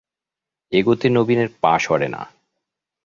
এগোতে নবীনের পা সরে না।